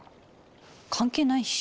関係ないし。